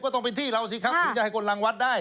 ต้องเป็นที่เราสิครับถึงจะให้คนรังวัดได้